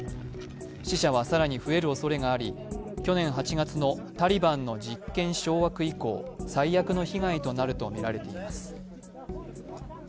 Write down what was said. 死者は更に増えるおそれがあり、去年８月のタリバンの実権掌握以降最悪の被害となるとみらています。